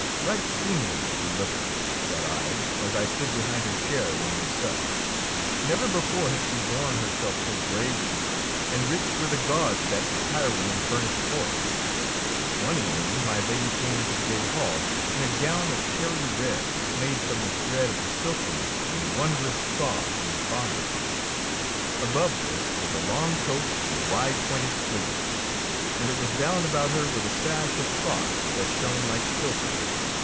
Right seemly she looketh, thought I, as I stood behind her chair when they supped. Never before had she borne 18 THE KOBE OF THE DUCHESS herself so bravely, and rich were the gauds that tirewoman furnished forth. One evening my Lady came into the great hall in a gown of cherry red, made from the thread of the silkworm and wonderous soft and fine. Above this was a long coat with wide pointed sleeves, and it was bound about her with a sash of cloth that shone like silver.